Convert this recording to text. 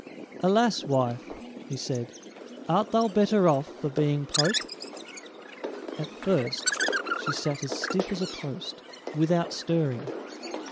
"Alas, wife," he said, "art thou better off for being pope?" At first she sat as stiff as a post, without stirring.